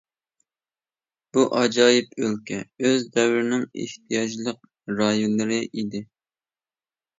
بۇ ئاجايىپ ئۆلكە ئۆز دەۋرىنىڭ ئېھتىياجلىق رايونلىرى ئىدى.